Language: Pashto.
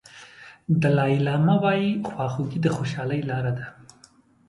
دالای لاما وایي خواخوږي د خوشالۍ لار ده.